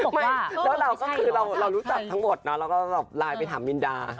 แล้วเราก็คือเรารู้จักทั้งหมดเนอะเราก็ไลน์ไปถามมินดา